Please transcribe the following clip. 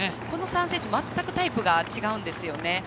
この３選手全くタイプが違うんです。